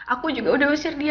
aku juga udah usir dia